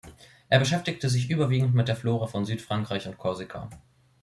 Er beschäftigte sich überwiegend mit der Flora von Südfrankreich und Korsika.